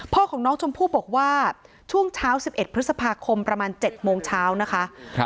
พ่อของน้องชมพู่บอกว่าช่วงเช้า๑๑พฤษภาคมประมาณ๗โมงเช้านะคะ